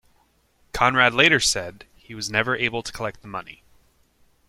Conrad later said he was never able to collect the money.